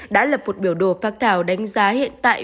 đã lập một biểu đồ phát thảo đánh giá hiện tại